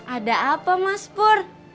ada apa mas pur